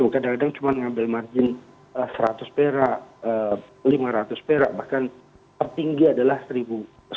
kadang kadang cuma ambil margin rp seratus perak rp lima ratus perak bahkan tertinggi adalah rp satu